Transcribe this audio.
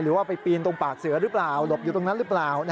ว่าไปปีนตรงปากเสือหรือเปล่าหลบอยู่ตรงนั้นหรือเปล่า